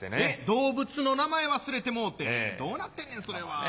動物の名前忘れてもうてどうなってんねんそれは。